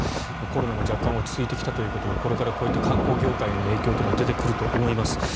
コロナも若干落ち着いてきたということでこれからこういった観光業界への影響というのは出てくると思います。